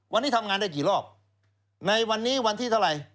วันนี้ทำงานได้กี่รอบในวันนี้วันที่เท่าไหร่